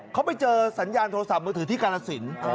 เขาไปเจอสัญญาณโทรศัพท์มือถือที่กาลสิน